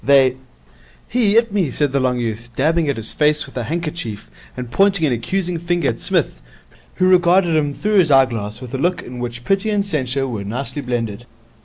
They ' 'He 'it me,' said the long youth, dabbing at his face with a handkerchief and pointing an accusing finger at Psmith, who regarded him through his eyeglass with a look in which pity and censure were nicely blended.